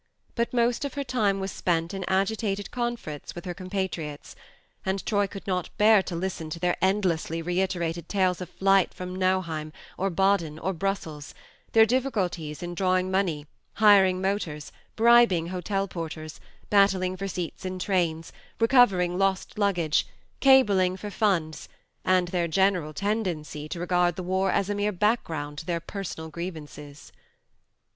But most of her time THE MARNE 17 was spent in agitated conference with her compatriots, and Troy could not bear to listen to their endlessly reiterated tales of flight from Nauheim or Baden or Brussels, their difficulties in drawing money, hiring motors, bribing hotel porters, battling for seats in trains, recovering lost luggage, cabling for funds, and their general tendency to regard the war as a mere background to their personal grievances.